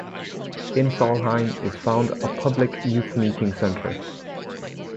In Saulheim is found a public youth meeting centre.